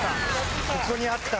ここにあった。